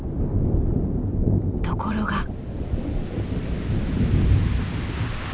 ところが。